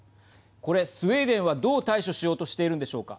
これ、スウェーデンはどう対処しようとしているんでしょうか。